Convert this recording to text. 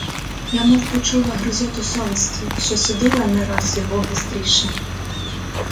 Я мов почула гризоту совісті, що судила не раз його гостріше.